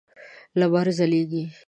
لمر ځلیږی